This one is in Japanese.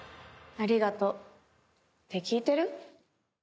ありがとうって聞いてる？